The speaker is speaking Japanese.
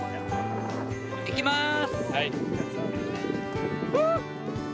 いきます。